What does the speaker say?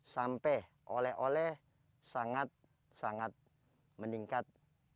sampai oleh oleh sangat sangat meningkat